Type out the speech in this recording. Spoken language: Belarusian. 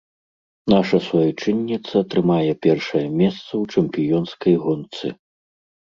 Наша суайчынніца трымае першае месца ў чэмпіёнскай гонцы.